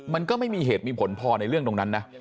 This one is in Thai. มันก็ไม่มีเหตุมีผลพอในเรื่องตรงนั้นนะ